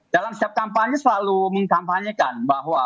dalam setiap kampanye selalu mengkampanyekan bahwa